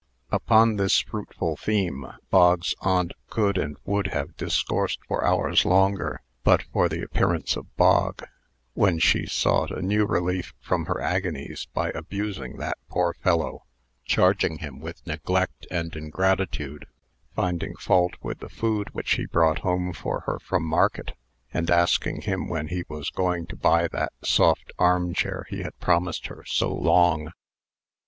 Upon this fruitful theme, Bog's aunt could and would have discoursed for hours longer, but for the appearance of Bog, when she sought a new relief from her agonies by abusing that poor fellow, charging him with neglect and ingratitude, finding fault with the food which he brought home for her from market, and asking him when he was going to buy that soft armchair he had promised her so long.